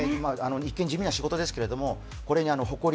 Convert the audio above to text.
一見、地味な仕事ですけど、これに誇り、